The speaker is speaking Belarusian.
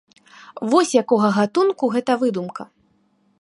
Вось якога гатунку гэта выдумка.